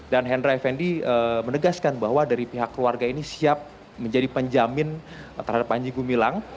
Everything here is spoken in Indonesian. hendra effendi menegaskan bahwa dari pihak keluarga ini siap menjadi penjamin terhadap panji gumilang